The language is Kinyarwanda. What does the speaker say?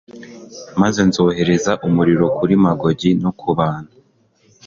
maze nzohereza umuriro kuri magogi no ku bantu